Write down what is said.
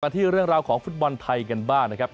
ที่เรื่องราวของฟุตบอลไทยกันบ้างนะครับ